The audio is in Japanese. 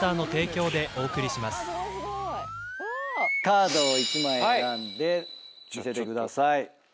カードを１枚選んで見せてください。